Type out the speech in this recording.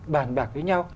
bàn bạc với nhau